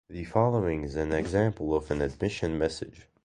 The following is an example of an admission message.